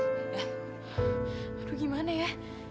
aduh gimana ya